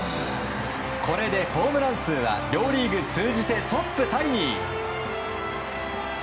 これでホームラン数は両リーグ通じてトップタイに。